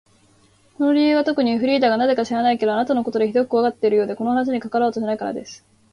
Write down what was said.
その理由はとくに、フリーダがなぜか知らないけれど、あなたのことをひどくこわがっているようで、この話に加わろうとしないからです。